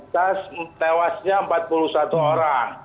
tes tewasnya empat puluh satu orang